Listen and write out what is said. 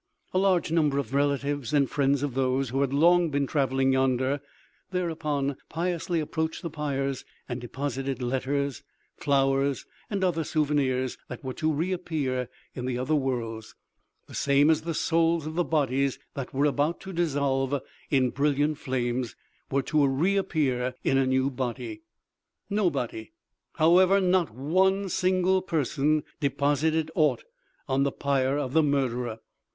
A large number of relatives and friends of those who had long been traveling yonder, thereupon piously approached the pyres, and deposited letters, flowers and other souvenirs that were to re appear in the other worlds, the same as the souls of the bodies that were about to dissolve in brilliant flames, were to re appear in a new body. Nobody, however, not one single person, deposited aught on the pyre of the murderer.